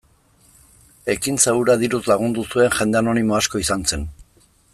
Ekintza hura diruz lagundu zuen jende anonimo asko izan zen.